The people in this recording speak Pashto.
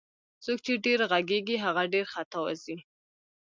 څوک چي ډير ږغږي هغه ډير خطاوزي